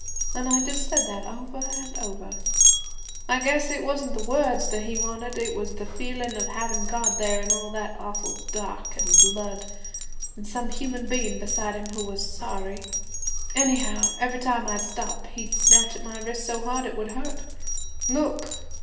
An' I just said that over an' over. 'I guess it wasn't the words that he wanted, it was the feelin' of havin' God there in all that awful dark and blood, an' some human bein' beside him who was sorry. Anyhow, every time I'd stop he'd snatch at my wrists so hard it would hurt; look.'